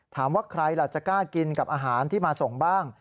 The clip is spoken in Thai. ถามว่าใครล่ะจะกล้ากินกับอาหารที่มาส่งบ้าง